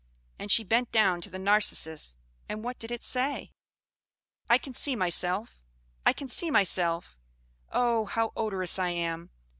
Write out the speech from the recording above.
and she bent down to the Narcissus. And what did it say? "I can see myself I can see myself! Oh, how odorous I am!